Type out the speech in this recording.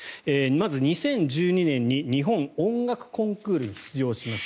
まず、２０１２年に日本音楽コンクールに出場します